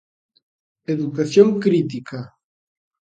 Educación crítica.